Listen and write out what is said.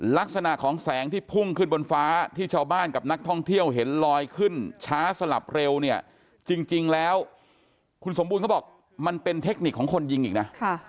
ลักษณะของแสงที่พุ่งขึ้นบนฟ้าที่ชาวบ้านกับนักท่องเที่ยวเห็นลอยขึ้นช้าสลับเร็วเนี่ยจริงแล้วคุณสมบูรณ์เขาบอกมันเป็นเทคนิคของคนยิงอีกนะ